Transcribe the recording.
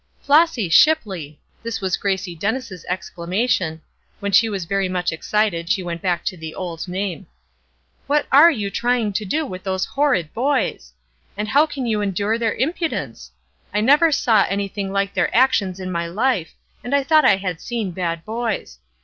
"Flossy Shipley!" This was Gracie Dennis' exclamation; when she was very much excited, she went back to the old name. "What are you trying to do with those horrid boys? and how can you endure their impudence? I never saw anything like their actions in my life, and I thought I had seen bad boys.